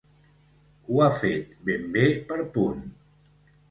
Ho ha fet ben bé per punt.